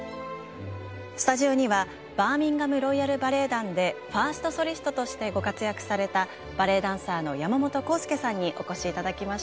スタジオにはバーミンガム・ロイヤル・バレエ団でファーストソリストとしてご活躍されたバレエダンサーの山本康介さんにお越し頂きました。